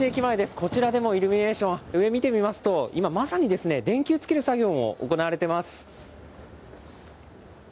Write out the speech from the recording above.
こちらでもイルミネーション、上見てみますと、今まさに電球つける作業も行われています。